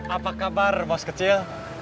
apa kabar bos kecil